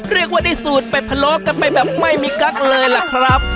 เรียกว่าได้สูตรเป็ดพะโลกันไปแบบไม่มีกั๊กเลยล่ะครับ